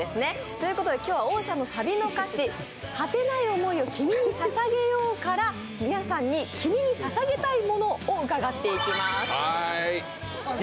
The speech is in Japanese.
ということで今日は「ＯＣＥＡＮ」のサビの歌詞「果てない想いを君に捧げよう」から皆さんに君にささげたいものを伺っていきます。